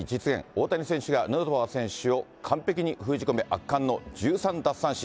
大谷選手が、ヌートバー選手を完璧に封じ込め、圧巻の１３奪三振。